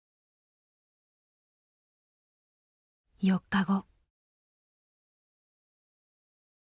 ４日後。